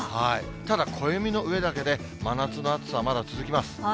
ただ、暦の上だけで、真夏の暑さはまだ続きます。